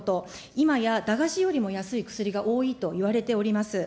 今や駄菓子よりも安い薬が多いといわれております。